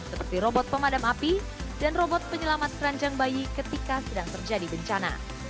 seperti robot pemadam api dan robot penyelamat keranjang bayi ketika sedang terjadi bencana